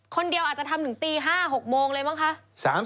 คนเดียวอาจจะทำถึงตี๕๖โมงเลยมั้งคะ